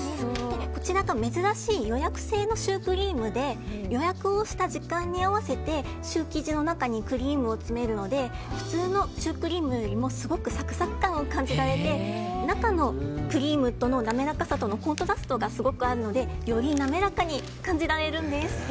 こちらが珍しい予約制のシュークリームで予約をした時間に合わせてシュー生地の中にクリームを詰めるので普通のシュークリームよりもすごくサクサク感を感じられて中のクリームの滑らかさとのコントラストがすごくあるのでより滑らかに感じられるんです。